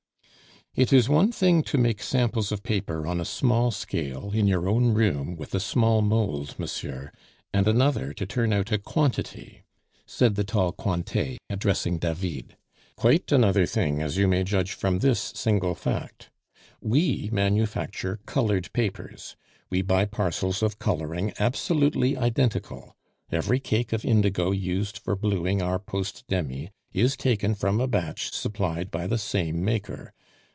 "It is one thing to make samples of paper on a small scale in your own room with a small mould, monsieur, and another to turn out a quantity," said the tall Cointet, addressing David. "Quite another thing, as you may judge from this single fact. We manufacture colored papers. We buy parcels of coloring absolutely identical. Every cake of indigo used for 'blueing' our post demy is taken from a batch supplied by the same maker.